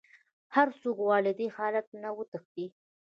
هر څوک غواړي له دې حالت نه وتښتي.